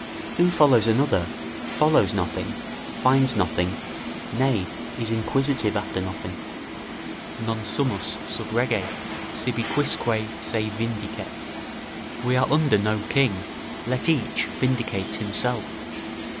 Who follows another, follows nothing, finds nothing, nay, is inquisitive after nothing. "Non sumus sub rege; sibi quisque se vindicet." ["We are under no king; let each vindicate himself."